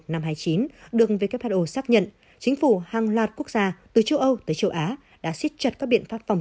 năm hai mươi chín được who xác nhận chính phủ hàng loạt quốc gia từ châu âu tới châu á đã xích chặt các biện phát phòng